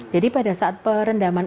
jadi pada saat perendaman